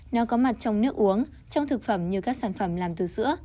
nó có mặt trong nước uống trong thực phẩm như các sản phẩm làm từ sữa